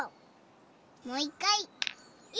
もういっかい。